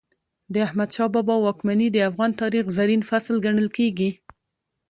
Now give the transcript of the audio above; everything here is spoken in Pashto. د احمد شاه بابا واکمني د افغان تاریخ زرین فصل ګڼل کېږي.